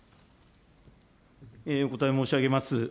お答え申し上げます。